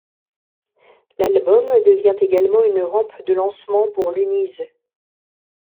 L'album devient également une rampe de lancement pour Luniz.